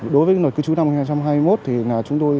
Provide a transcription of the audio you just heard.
đối với luật cư trú năm hai nghìn hai mươi một